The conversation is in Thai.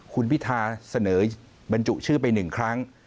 คุณพิธาเสนอบรรจุชื่อไป๑ครั้ง